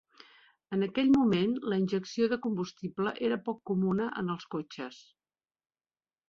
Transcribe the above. En aquell moment, la injecció de combustible era poc comuna en els cotxes.